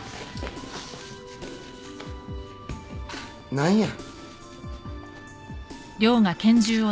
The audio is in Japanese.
何や？